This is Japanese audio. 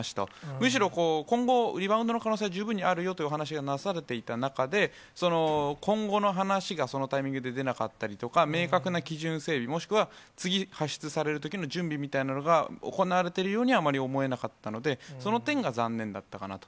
むしろ今後、リバウンドの可能性、十分にあるよという話がなされていた中で、今後の話がそのタイミングで出なかったりとか、明確な基準、整備、もしくは次、発出されるときの準備みたいなのが行われているようにはあまり思えなかったので、その点が残念だったかなと。